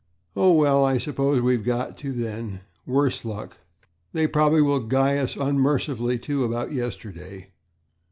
"Oh, well, I suppose we've got to, then, worse luck. They probably will guy us unmercifully, too, about yesterday.